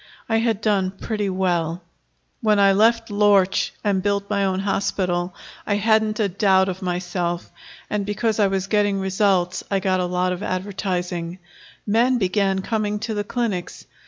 I had done pretty well. When I left Lorch and built my own hospital, I hadn't a doubt of myself. And because I was getting results I got a lot of advertising. Men began coming to the clinics.